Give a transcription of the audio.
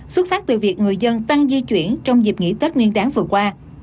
xuất phát từ việc người dân tăng di chuyển trong dịp nghỉ tết nguyên đáng vừa qua